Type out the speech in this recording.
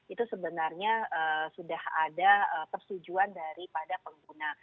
itu sebenarnya sudah ada persetujuan daripada pengguna